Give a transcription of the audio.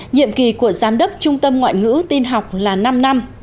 nhiệm kỳ của giám đốc trung tâm ngoại ngữ tin học là năm năm